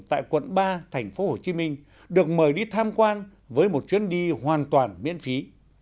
tại quận ba thành phố hồ chí minh được mời đi tham quan với một chuyến đi hoàn toàn miễn phí